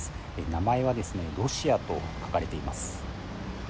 名前はロシアと書かれています。